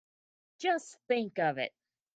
Just think of it!